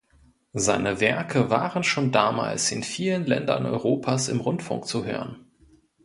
Seine Werke waren schon damals in vielen Ländern Europas im Rundfunk zu hören.